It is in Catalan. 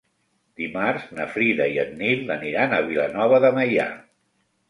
Dimarts na Frida i en Nil aniran a Vilanova de Meià.